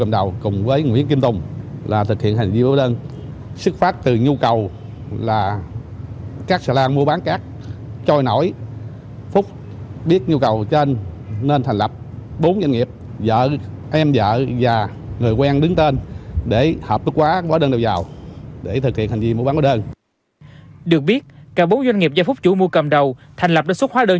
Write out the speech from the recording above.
được biết cả bốn doanh nghiệp do phúc chủ mua cầm đầu thành lập đối xúc khóa đơn